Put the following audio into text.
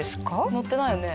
乗ってないよね？